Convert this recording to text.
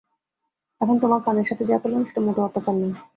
এখন, তোমার কানের সাথে যা করলাম, এটা মোটেও অত্যাচার নয়।